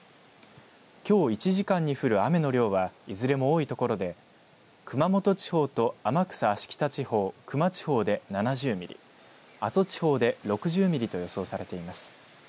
きょう１時間に降る雨の量はいずれも多いところで熊本地方と天草・芦北地方、球磨地方で７０ミリ、阿蘇地方で６０ミリと予想されています。